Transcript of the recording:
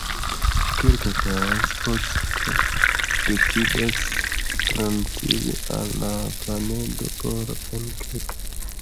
Kirk kaj Spock decidas transiri al la planedo por enketo.